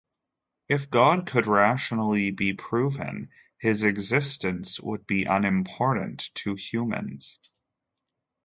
If God could rationally be proven, his existence would be unimportant to humans.